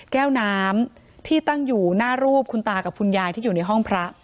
แก้วน้ำที่ตั้งอยู่หน้ารูปคุณตากับคุณยายที่อยู่ในห้องพระ